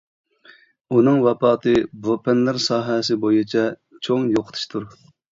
ئۇنىڭ ۋاپاتى بۇ پەنلەر ساھەسى بويىچە چوڭ يوقىتىشتۇر.